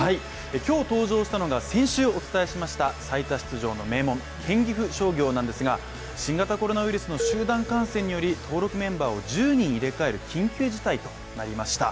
今日、登場したのが先週お伝えしました最多出場の名門、県岐阜商業なんですが、新型コロナウイルスの集団感染により登録メンバーを１０人入れ替えるという緊急事態となりました。